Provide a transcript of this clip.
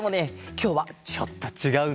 きょうはちょっとちがうんだ。